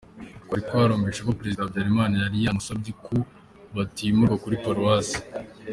Twari twarumvise ko Perezida Habyarimana yari yarasabye ko batimurwa kuri Paruwasi.